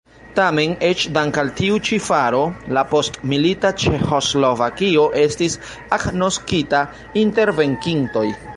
Tamen eĉ dank' al tiu ĉi faro la postmilita Ĉeĥoslovakio estis agnoskita inter venkintoj.